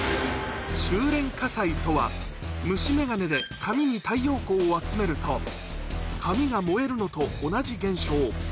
収れん火災とは、虫眼鏡で紙に太陽光を集めると、紙が燃えるのと同じ現象。